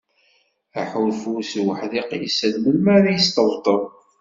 Aḥulfu-s d uḥdiq yessen melmi ara d-yesṭebṭeb.